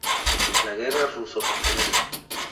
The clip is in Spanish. La guerra ruso-japonesa.